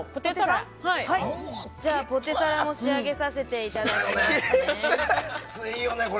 じゃあ、ポテサラも仕上げさせていただきますね。